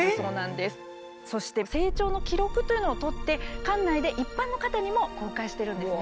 そして成長の記録というのをとって館内で一般の方にも公開してるんですね。